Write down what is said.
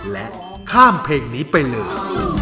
และข้ามเพลงนี้ไปเลย